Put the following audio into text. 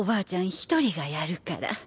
一人がやるから。